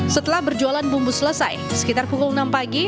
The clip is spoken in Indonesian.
setelah berjualan bumbu selesai sekitar pukul enam pagi aibtu hamim berangkat